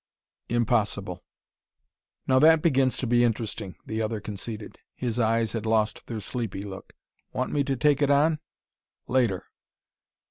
"Impossible." "Now that begins to be interesting," the other conceded. His eyes had lost their sleepy look. "Want me to take it on?" "Later.